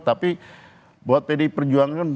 tapi buat pdi perjuangan